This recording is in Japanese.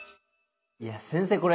いや先生